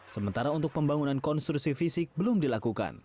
sementara untuk pembangunan konstruksi fisik belum dilakukan